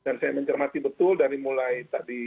dan saya mencermati betul dari mulai tadi